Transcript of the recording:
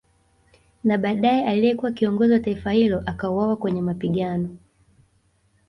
Na badae aliyekuwa kiongozi wa taifa hilo akauwawa kwenye mapigano